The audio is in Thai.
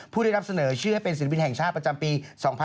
ผู้ได้รับเสนอชื่อให้เป็นศิลปินแห่งชาติประจำปี๒๕๖๒